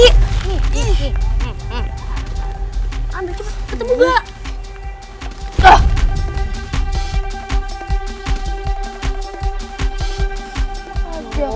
ambil cepet ketemu gua